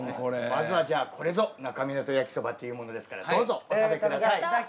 まずはじゃあこれぞ那珂湊焼きそばっていうものですからどうぞお食べください。